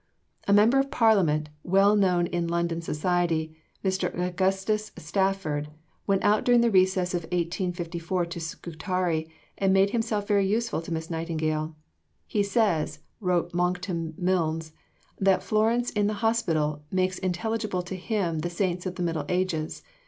A member of Parliament, well known in London Society, Mr. Augustus Stafford, went out during the recess of 1854 to Scutari, and made himself very useful to Miss Nightingale. "He says," wrote Monckton Milnes (Jan. 1855), "that Florence in the Hospital makes intelligible to him the Saints of the Middle Ages.